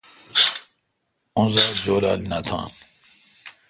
اوزات جولال نہ تھان۔